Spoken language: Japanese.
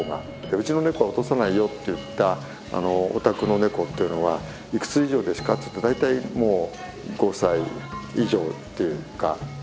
ウチのネコは落とさないよって言ったお宅のネコっていうのは「いくつ以上ですか？」って言うと大体もう５歳以上っていうか。